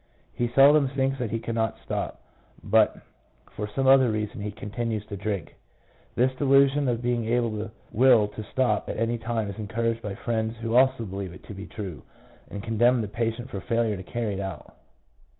He seldom thinks that he cannot stop, but for some other reason he continues to drink. This delusion of being able to will to stop at any time is encouraged by friends who also believe it to be true, and condemn the patient for failure to carry it out.